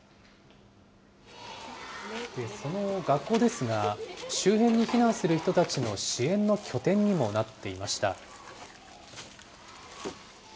その学校ですが、周辺に避難する人たちの支援の拠点にもなっていました。